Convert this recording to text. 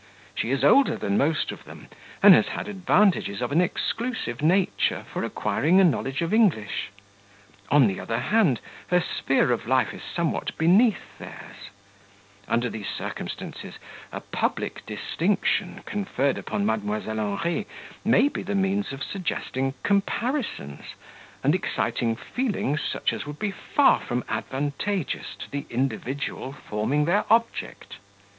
She is older than most of them, and has had advantages of an exclusive nature for acquiring a knowledge of English; on the other hand, her sphere of life is somewhat beneath theirs; under these circumstances, a public distinction, conferred upon Mdlle. Henri, may be the means of suggesting comparisons, and exciting feelings such as would be far from advantageous to the individual forming their object.